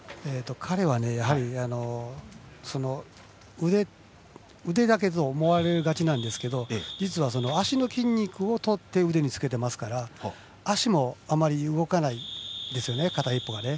彼は腕だけと思われがちなんですけど実は足の筋肉をとって腕につけていますから足もあまり動かないんです片一方が。